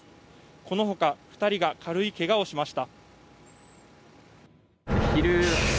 このほか２人が軽いけがをしました。